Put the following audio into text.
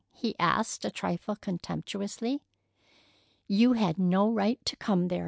he asked a trifle contemptuously. "You had no right to come there!"